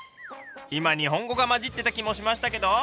今日本語が混じってた気もしましたけど？